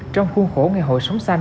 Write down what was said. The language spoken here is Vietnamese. trong khuôn khổ ngày hội sống xanh